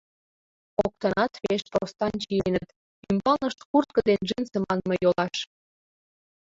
Коктынат пеш простан чиеныт: ӱмбалнышт куртко ден джинсы манме йолаш.